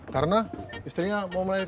karena istrinya mau menaiki jalan walet